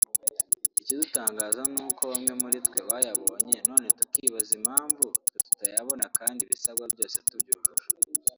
Ikidutangaza ni uko bamwe muri twe bayabonye none tukibaza impamvu twe tutayabona kandi ibisabwa byose tubyujuje